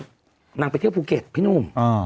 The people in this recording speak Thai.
นางไปเที่ยวภูเก็ตพี่หนุ่ม